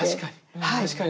確かに。